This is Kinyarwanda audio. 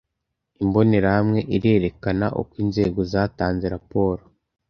Imbonerahamwe irerekana uko Inzego zatanze raporo